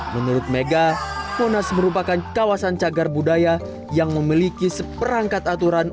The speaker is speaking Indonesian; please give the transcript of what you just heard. menurut mega monas merupakan kawasan cagar budaya yang memiliki seperangkat aturan